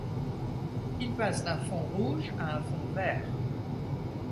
Il passe d'un fond rouge à un fond vert.